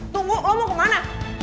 tunggu lo mau kemana